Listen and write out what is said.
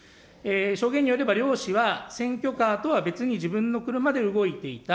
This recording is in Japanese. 証言によれば両氏は、選挙カーとは別に自分の車で動いていた。